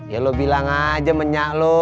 ya lu bilang aja menyak lu